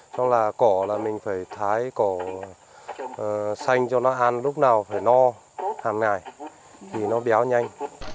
xong là cỏ là mình phải thái cỏ xanh cho nó ăn lúc nào phải no hàng ngày thì nó béo nhanh